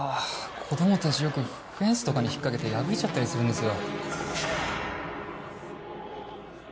子供たちよくフェンスとかに引っ掛けて破いちゃったりするんですよ。